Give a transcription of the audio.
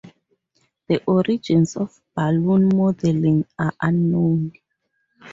The origins of balloon modelling are unknown.